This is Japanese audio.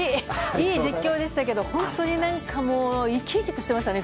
いい実況でしたけど本当に生き生きとしていましたね